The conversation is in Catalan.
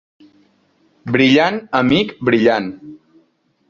Brillant! amic brillant!